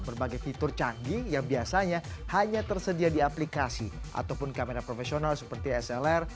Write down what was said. berbagai fitur canggih yang biasanya hanya tersedia di aplikasi ataupun kamera profesional seperti slr